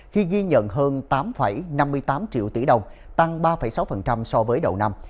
khi ghi nhận hơn tám năm mươi tám triệu tỷ đồng tăng ba sáu so với đầu năm